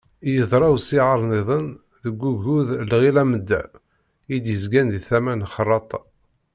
Yeḍra usihar-nniḍen deg uggug Iɣil Amda, i d-yezgan di tama n Xerraṭa.